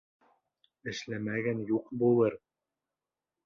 Эшләмәгән юҡ булыр.